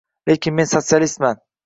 Lekin men sotsialistman.